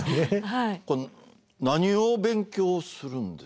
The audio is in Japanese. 何を勉強するんですか？